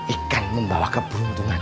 ikan membawa keberuntungan